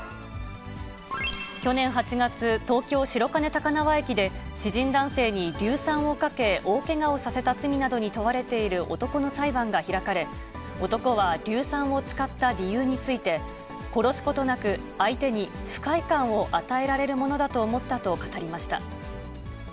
去年８月、東京・白金高輪駅で、知人男性に硫酸をかけ、大けがをさせた罪などに問われている男の裁判が開かれ、男は硫酸を使った理由について、殺すことなく相手に不快感を与えられるものだと思ったと語りました。